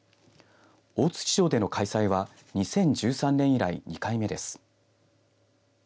大槌町での開催は２０１３年以来２回目です。